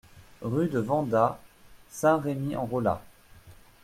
Rue de Vendat, Saint-Rémy-en-Rollat